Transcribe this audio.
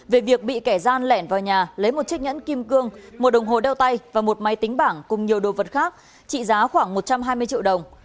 về việc bị kẻ gian lẻn vào nhà lấy một chiếc nhẫn kim cương một đồng hồ đeo tay và một máy tính bảng cùng nhiều đồ vật khác trị giá khoảng một trăm hai mươi triệu đồng